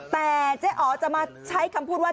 แต่เจ๊อ๋อจะมาใช้คำพูดว่า